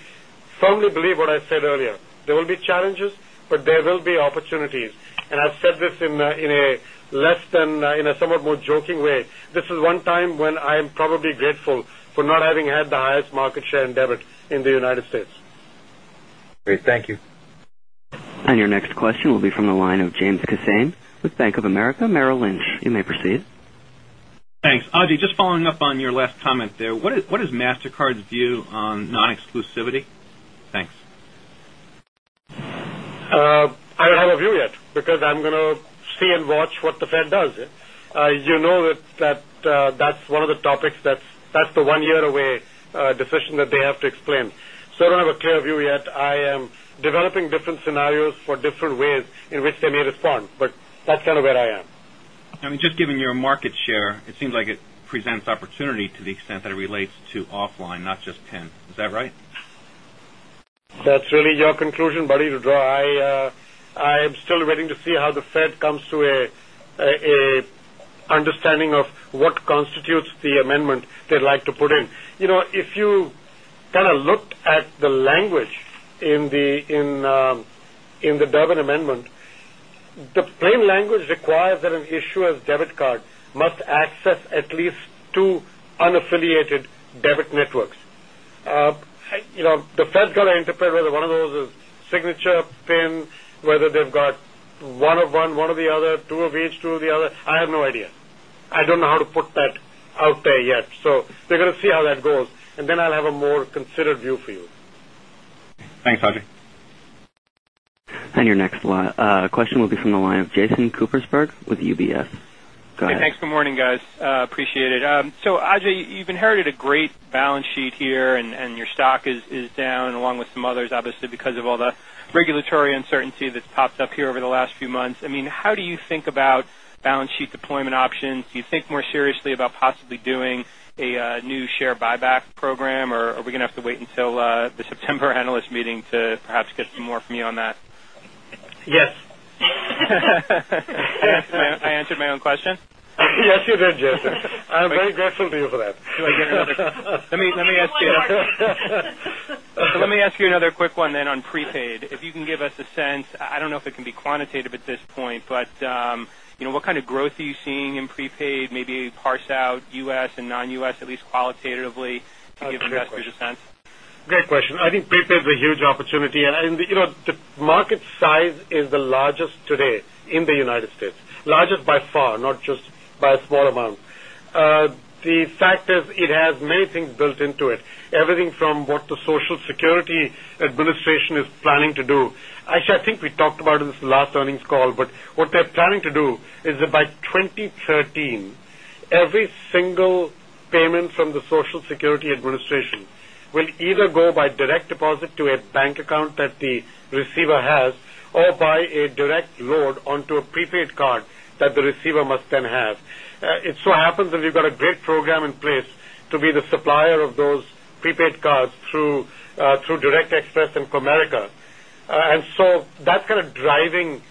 firmly believe what I said earlier. There will be challenges, but there will be But there will be opportunities. And I've said this in a less than in a somewhat more joking way. This is one time when I am probably grateful For not having had the highest market share endeavor in the United States. Great. Thank you. And your next question will be from the line of It's Khasain with Bank of America Merrill Lynch. You may proceed. Thanks. Ajay, just following up on your last comment there, what is Mastercard's view on non exclusivity? Thanks. I don't have a view yet because I'm going to see watch what the Fed does. As you know that that's one of the topics that's the 1 year away decision that they have to explain. So I don't have a clear view yet. I am developing different scenarios for different ways in which they may respond, but that's kind of where I am. I mean, just given your market It seems like it presents opportunity to the extent that it relates to offline, not just PIN. Is that right? That's really your conclusion, buddy, to draw. I am still waiting to see how the Fed comes to a understanding of what constitutes the amendment they'd like to put in. If you kind of looked at the language In the Durban Amendment, the plain language requires that an issuer's debit card must access at least 2 unaffiliated debit networks. The Fed's got to interpret whether one of those is signature, So we're going to see how that goes and then I'll have a more considered view for you. Thanks, Ajay. And your next question will be from the line of Jason Kupferberg with UBS. So Ajay, you've inherited a great balance sheet And your stock is down along with some others obviously because of all the regulatory uncertainty that's popped up here over the last few months. I mean, how How do you think about balance sheet deployment options? Do you think more seriously about possibly doing a new share buyback program? Or are we going to have to wait Will the September analyst meeting to perhaps get some more from you on that? Yes. I answered my own question? Let me ask you another quick one then on prepaid. If you can give us sense. I don't know if it can be quantitative at this point, but what kind of growth are you seeing in prepaid, maybe parse out U. S. And non U. S. At least qualitatively, can you give investors a sense? Great question. I think PayPay is a huge opportunity. And the market size is the largest today In the United States, largest by far, not just by a small amount. The fact is it has many things built into it, Everything from what the Social Security Administration is planning to do, Ayesha, I think we talked about this last earnings call, but what they're planning to do By 2013, every single payment from the Social Security Administration will either go by direct deposit to bank account that the receiver has or by a direct load onto a prepaid card that the receiver must then It so happens that we've got a great program in place to be the supplier of those prepaid cards through Direct Express and America. And so that's kind of driving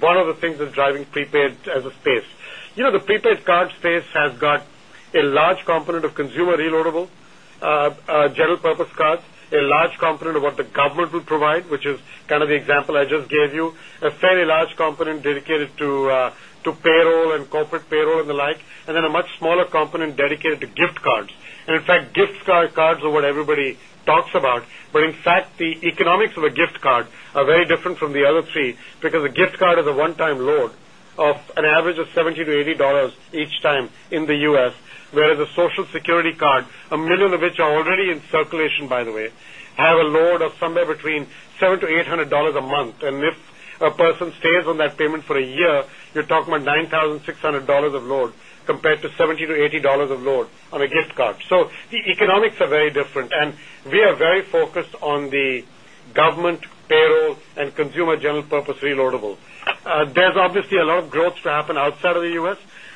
one of the things that's driving prepaid as a space. The prepaid card space has got a large component of Consumer reloadable, general purpose cards, a large component of what the government will provide, which is kind of the example I just gave you, a fairly Very large component dedicated to payroll and corporate payroll and the like, and then a much smaller component dedicated to gift cards. And In fact, gift cards are what everybody talks about, but in fact, the economics of a gift card are very different from the other three Because a gift card is a one time load of an average of $70 to $80 each time in the U. S, whereas a social Security card, a 1000000 of which are already in circulation by the way, have a load of somewhere between $700 to $800 a month. And if a person stays on that payment for a year, you're talking about $9,600 of load compared to $70 to $80 of load on a gift card. So the economics are very different and we We're very focused on the government payroll and consumer general purpose reloadable. There's obviously a lot of growth to happen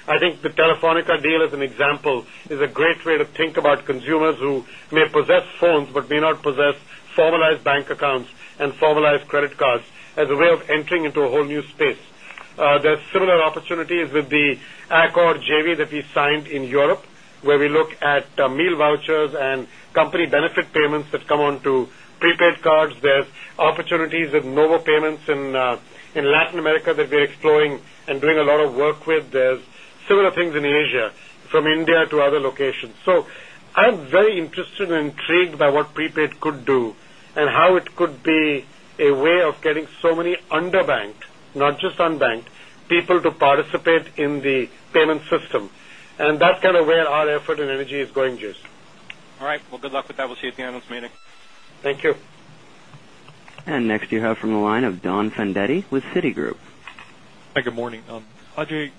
I think the Telefonica deal as an example is a great way to think about consumers who may possess phones, but may not possess formalized bank accounts and formalized credit cards as a way of entering into a whole new space. There are similar opportunities with the Accord JV that we signed In Europe, where we look at meal vouchers and company benefit payments that come on to prepaid cards, there's opportunities There's no more payments in Latin America that we're exploring and doing a lot of work with. There's similar things in Asia from India to other locations. So I'm very interested and intrigued by what prepaid could do and how it could be a way of getting so many underbanked, not just unbanked, people to participate in the payment system. And that's kind of where our effort and energy is going, Juss. All right. Well, good luck with that. We'll see you at the Analyst Meeting. Thank you. And next you have from the line of Don Fendetti with Citigroup. Hi, good morning. Ajay,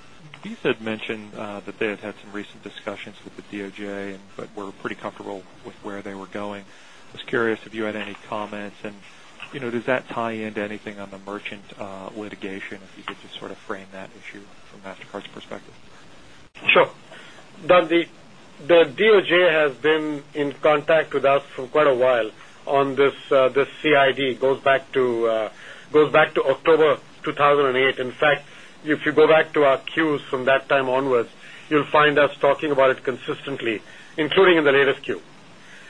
these have mentioned that they have had some recent Discussions with the DOJ, but we're pretty comfortable with where they were going. I was curious if you had any comments? And does that Tie into anything on the merchant litigation, if you could just sort of frame that issue from Mastercard's perspective? Sure. Doug, the DOJ has been in contact with us for quite a while on this CID goes back to October 2008. In If you go back to our Qs from that time onwards, you'll find us talking about it consistently, including in the latest Q.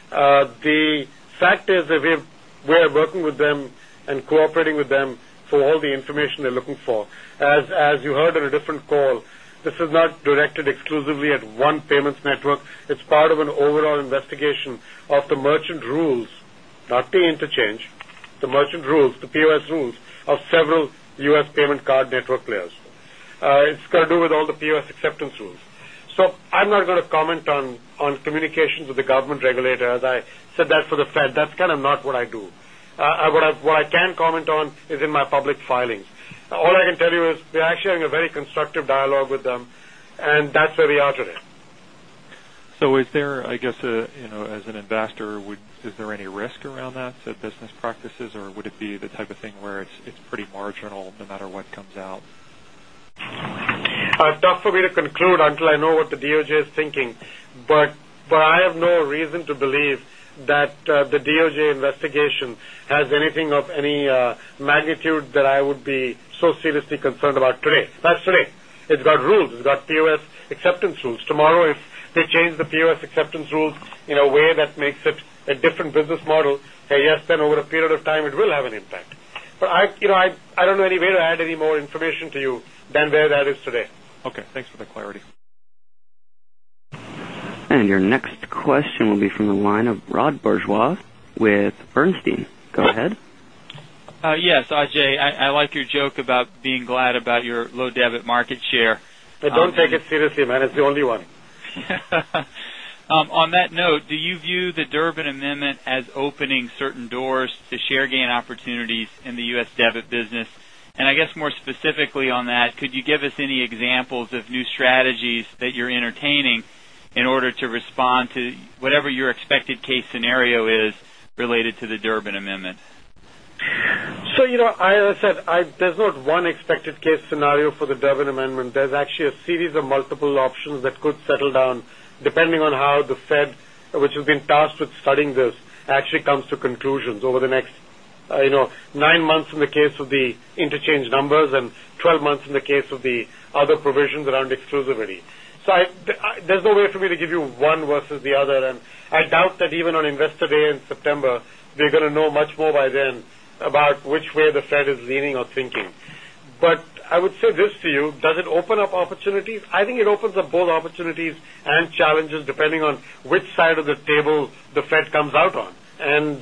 The The fact is that we're working with them and cooperating with them for all the information they're looking for. As you heard in a different call, this is not directed We have one payments network. It's part of an overall investigation of the merchant rules, not the interchange, the merchant rules, the POS rules Several U. S. Payment card network players. It's got to do with all the POS acceptance rules. So I'm not going to comment on communications with the Government regulators, I said that for the Fed, that's kind of not what I do. What I can comment on is in my public filings. All I can tell you is we're actually A very constructive dialogue with them and that's where we are today. So is there, I guess, as an investor, is there any risk around So business practices or would it be the type of thing where it's pretty marginal no matter what comes out? Tough for me to conclude until I know what the DOJ is thinking, but I have no reason to believe that the DOJ investigation has anything Any magnitude that I would be so seriously concerned about today, that's today, it's got rules, it's got POS acceptance rules. Tomorrow, if they change the POS acceptance In a way that makes it a different business model, yes, then over a period of time, it will have an impact. But I don't know any way to add any more information to you than where that It is today. Okay. Thanks for the clarity. And your next question will be from the line of Rod Bourgeois Don't take it seriously, man. It's the only one. On that note, do you view the Durbin Amendment as opening certain doors The share gain opportunities in the U. S. Debit business and I guess more specifically on that, could you give us any examples of new strategies that you're entertaining in order To respond to whatever your expected case scenario is related to the Durbin Amendment. So, as I said, there's One expected case scenario for the Durban amendment, there's actually a series of multiple options that could settle down depending on how the Fed, which has been tasked with studying this, she comes to conclusions over the next 9 months in the case of the interchange numbers and 12 months in the case of the other provisions So there's no way for me to give you one versus the other. And I doubt that even on Investor Day in September, we You're going to know much more by then about which way the Fed is leaning or thinking. But I would suggest to you, does it open up I think it opens up both opportunities and challenges depending on which side of the table the Fed comes out on. And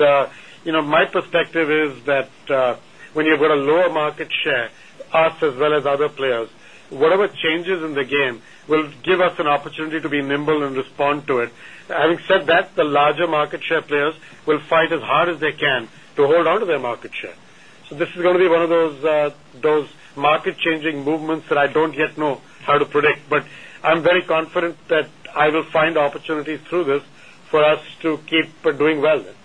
my perspective is that when you've got a lower market share, us as well as other players, whatever changes in the Kim will give us an opportunity to be nimble and respond to it. Having said that, the larger market share players will fight as hard as they But I'm very confident that I will find opportunities through this for us to keep doing well. Well,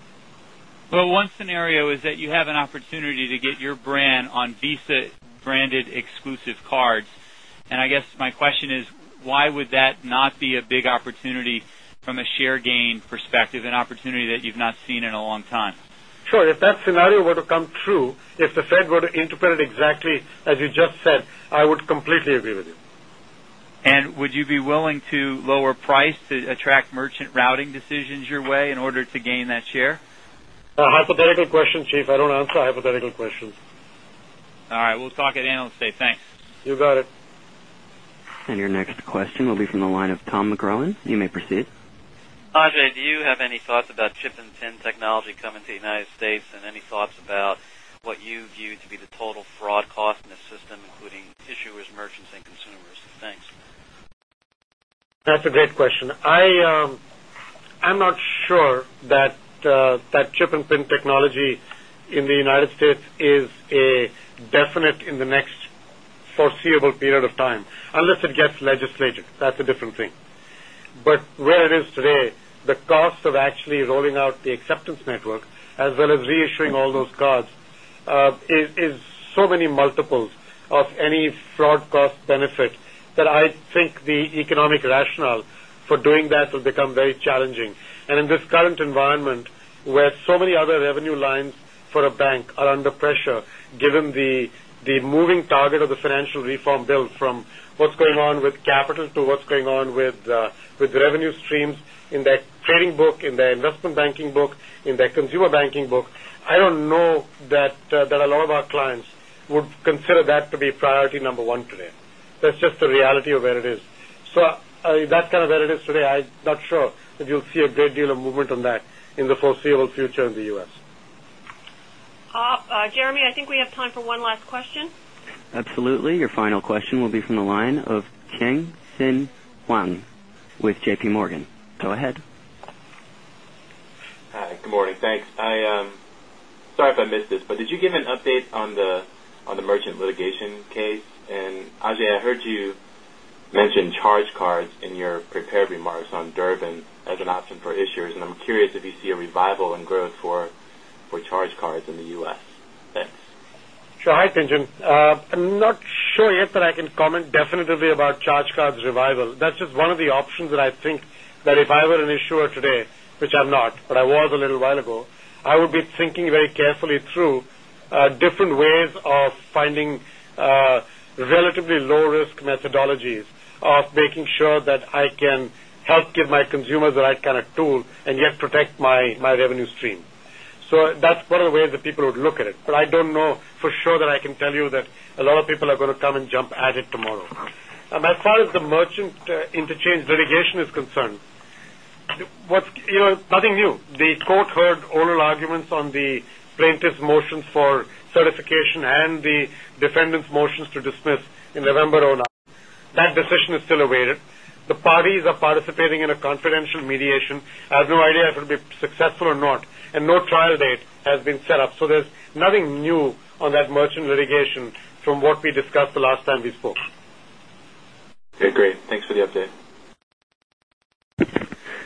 So one scenario is that you have an opportunity to get your brand on Visa branded exclusive cards. And I guess my Question is why would that not be a big opportunity from a share gain perspective, an opportunity that you've not seen in a long time? Sure. If that Nice to attract merchant routing decisions your way in order to gain that share. Hypothetical question, Chief. I don't answer hypothetical questions. All right. We'll talk at Analyst Day. Thanks. You got it. And your next question will be from the line of Tom McGrawan. You may proceed. Ajay, Do you have any thoughts about chip and TIN technology coming to United States? And any thoughts about what you view to be the total fraud cost in the system, including That's a great question. I'm not sure that That chip and pin technology in the United States is a definite in the next foreseeable period of time, Unless it gets legislative, that's a different thing. But where it is today, the cost of actually rolling out the acceptance network as As well as reissuing all those cards, is so many multiples of any fraud cost benefit that I think the economic rationale for doing that will become very challenging. And in this current environment, where so many other revenue lines for The Bank are under pressure given the moving target of the financial reform bill from what's going on with capital So what's going on with the revenue streams in their trading book, in their investment banking book, in their consumer banking book, I don't know that A lot of our clients would consider that to be priority number 1 today. That's just the reality of where it is. So that's kind of where it is today. I'm not sure if you'll see a great deal of movement on that in the foreseeable future in the U. S. Jeremy, I think we have time for one Next question? Absolutely. Your final question will be from the line of Chen Xinyuan with JPMorgan. Go ahead. Good morning. Thanks. Sorry if I missed this, but did you give an update on the merchant litigation case? And Ajay, I heard you mentioned Charge cards in your prepared remarks on Durbin as an option for issuers. And I'm curious if you see a revival in growth for charge cards in the U. S? Sure. Hi, Tien Tsin. I'm not sure yet that I can comment definitely about ChargeCards revival. That's just one of the options that I think that if I will be thinking very carefully through different ways of finding relatively low risk methodologies of making sure that I can The low risk methodologies of making sure that I can help give my consumers the right kind of tool and yet protect my revenue stream. So that's That's one of the ways that people would look at it. But I don't know for sure that I can tell you that a lot of people are going to come and jump at it tomorrow. As far as the merchant interchange The change litigation is concerned, what's nothing new. The court heard oral arguments on the plaintiff's motions for The clarification and the defendant's motions to dismiss in November or not, that decision is still awaited. The parties are participating in a confidential mediation, I have I have no idea if it will be successful or not and no trial date has been set up. So there's nothing new on that merchant litigation from what we discussed That's the last time we spoke. Okay, great. Thanks for the update.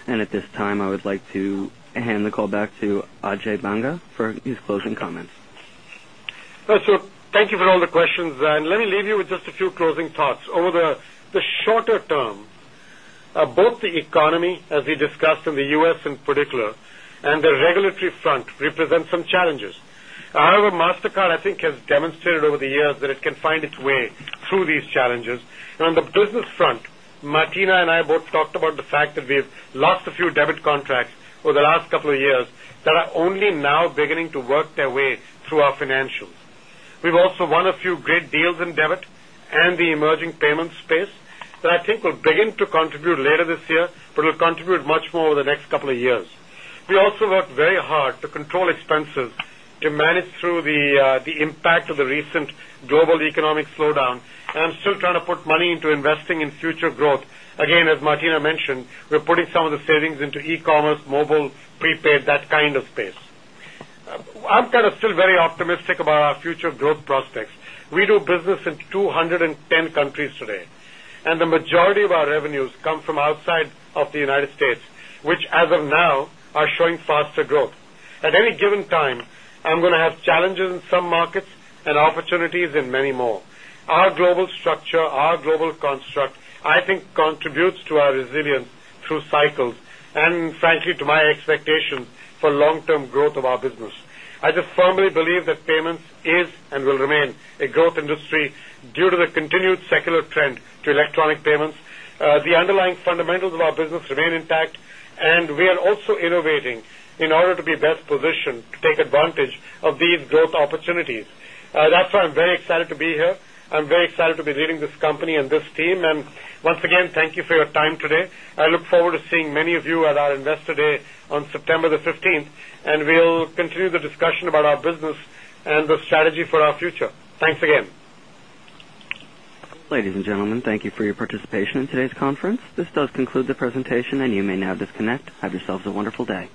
And at this time, I would like to hand the call back to Ajay for his closing comments. So thank you for all the questions. And let me leave you with just a few closing thoughts. Over the shorter Both the economy as we discussed in the U. S. In particular and the regulatory front represent some challenges. However, Mastercard Instacart, I think, has demonstrated over the years that it can find its way through these challenges. And on the business front, Martina and I both Talked about the fact that we have lost a few debit contracts over the last couple of years that are only now beginning to work their way through our financials. We've also won a few great Deals and debit and the emerging payments space that I think will begin to contribute later this year, but will contribute much more over the next We also worked very hard to control expenses to manage through the impact of the recent global economic slowdown. And I'm still Trying to put money into investing in future growth, again, as Margina mentioned, we're putting some of the savings into e commerce, mobile, prepaid, that kind of I'm kind of still very optimistic about our future growth prospects. We do business in 2 10 countries today and the majority of our Revenues come from outside of the United States, which as of now are showing faster growth. At any given time, I'm going We have challenges in some markets and opportunities in many more. Our global structure, our global construct, I think contributes to our resilience through And frankly, to my expectation for long term growth of our business. I just firmly believe that payments is and will remain a growth industry due to the continued secular trend to electronic payments. The underlying fundamentals of our business remain intact and we are also innovating in order to be best positioned take advantage of these growth opportunities. That's why I'm very excited to be here. I'm very excited to be leading this company and this team. And once again, thank you for your I look forward to seeing many of you at our Investor Day on September 15, and we'll continue the discussion about our business and the strategy Thank you for our future. Thanks again. Ladies and gentlemen, thank you for your participation in today's conference. This does conclude the presentation and you may now disconnect. Have yourselves Wonderful day.